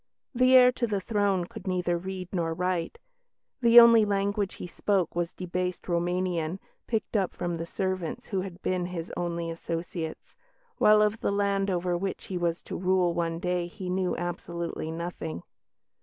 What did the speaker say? The heir to the throne could neither read nor write; the only language he spoke was a debased Roumanian, picked up from the servants who had been his only associates, while of the land over which he was to rule one day he knew absolutely nothing.